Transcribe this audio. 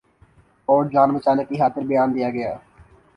اورجان بچانے کی خاطر بیان دیاگیا۔